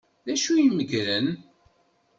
D acu i meggren?